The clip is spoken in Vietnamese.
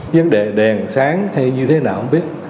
việc đèn sáng hay như thế nào không biết